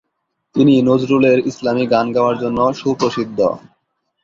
তিনি নজরুলের ইসলামী গান গাওয়ার জন্য সুপ্রসিদ্ধ।